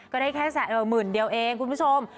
ก็ได้แค่หมื่นเดียวเองคุณผู้ชม